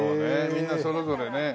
みんなそれぞれね。